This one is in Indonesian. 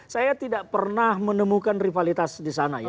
saya tidak pernah menemukan rivalitas di sana ya